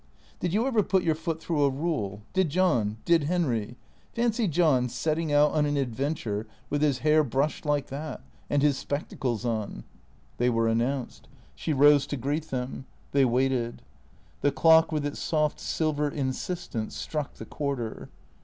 "Did you ever put your foot through a rule? Did John? Did Henry? . Fancy John setting out on an adventure with his hair brushed like that and his spectacles on " They were announced. She rose to greet them. They waited. The clock with its soft silver insistence struck the quarter.